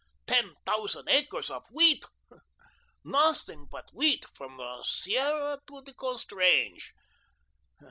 Ten thousand acres of wheat! Nothing but wheat from the Sierra to the Coast Range.